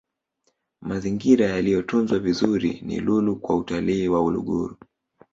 mazingira yaliyotunzwa vizuri ni lulu kwa utalii wa uluguru